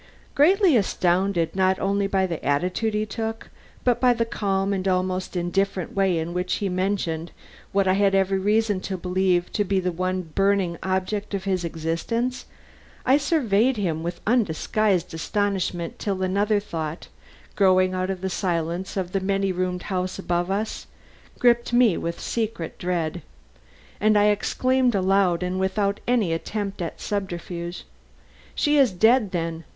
Greatly astounded not only by the attitude he took, but by the calm and almost indifferent way in which he mentioned what I had every reason to believe to be the one burning object of his existence, I surveyed him with undisguised astonishment till another thought, growing out of the silence of the many roomed house above us, gripped me with secret dread; and I exclaimed aloud and without any attempt at subterfuge: "She is dead, then!